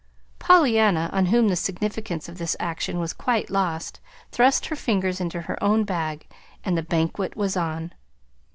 Pollyanna, on whom the significance of this action was quite lost, thrust her fingers into her own bag, and the banquet was on.